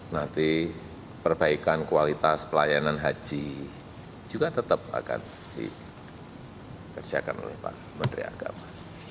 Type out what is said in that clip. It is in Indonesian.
nanti perbaikan kualitas pelayanan haji juga tetap akan dikerjakan oleh pak menteri agama